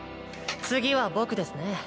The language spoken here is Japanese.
次は僕ですね。